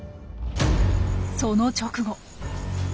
その直後。